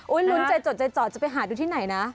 ลุ้นใจจดใจจ่อจะไปหาดูที่ไหนนะ